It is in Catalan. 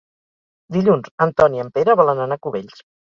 Dilluns en Ton i en Pere volen anar a Cubells.